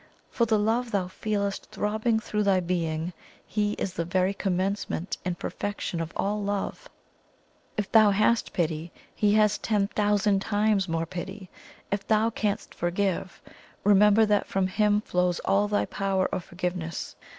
For the love thou feelest throbbing through thy being, He is the very commencement and perfection of all love; if thou hast pity, He has ten thousand times more pity; if THOU canst forgive, remember that from Him flows all thy power of forgiveness!